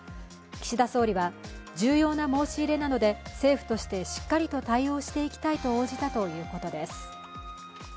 岸田総理は、重要な申し入れなので政府としてしっかり対応していきたいと応じたということです。